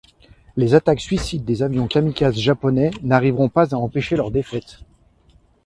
Les attaques suicides des avions kamikazes japonais n'arriveront pas à empêcher leur défaite.